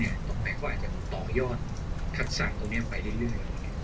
หมายความว่าจะต่อยอดขัดสั่งตรงนี้ไปเรื่อย